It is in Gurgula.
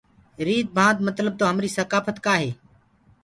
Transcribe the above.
ريٚت ڀانت متلب تو همريٚ سڪآڦت ڪآ هي؟